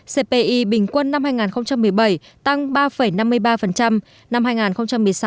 cpi bình quân năm hai nghìn một mươi bảy tăng ba năm mươi ba năm hai nghìn một mươi sáu tăng hai sáu mươi sáu